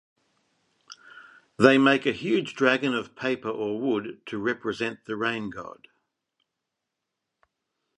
They make a huge dragon of paper or wood to represent the rain-god.